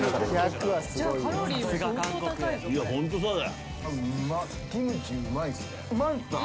いやホントそうだ。